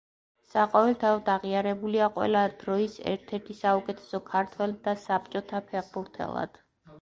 საყოველთაოდ აღიარებულია ყველა დროის ერთ-ერთ საუკეთესო ქართველ და საბჭოთა ფეხბურთელად.